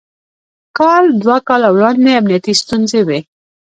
کال دوه کاله وړاندې امنيتي ستونزې وې.